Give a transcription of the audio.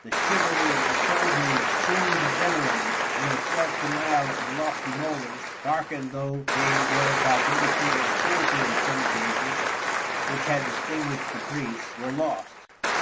The chivalry of the soldiery soon degenerated, and the self denial and lofty motives, darkened though they were by bigotry and cruelty in some cases, which had distinguished the priests, were lost.